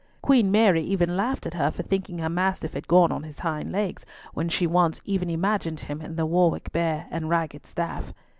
Queen Mary even laughed at her for thinking her mastiff had gone on his hind legs when she once even imagined him in the Warwick Bear and ragged staff.